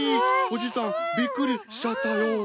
おじさんびっくりしちゃったよ。